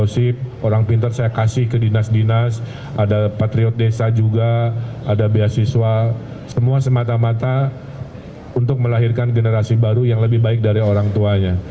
saya kasih ke dinas dinas ada patriot desa juga ada beasiswa semua semata mata untuk melahirkan generasi baru yang lebih baik dari orang tuanya